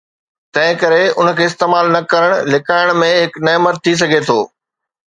تنهن ڪري ان کي استعمال نه ڪرڻ لڪائڻ ۾ هڪ نعمت ٿي سگهي ٿو.